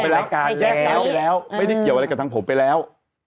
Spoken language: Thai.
แก้จากไปแล้วไม่ได้เกี่ยวกับอะไรกับทั้งผมไปแล้ว